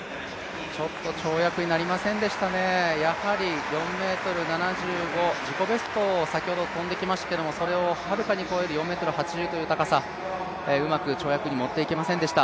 ちょっと跳躍になりませんでしたね、やはり４ｍ７５、自己ベスト、自己ベストを先ほど跳んできましたけれどもそれをはるかに超える４ｍ８０という高さ、うまく跳躍に持っていけませんでした。